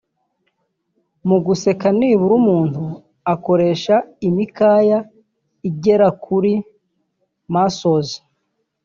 Mu guseka nibura umuntu akoresha imikaya igera kuri (muscles)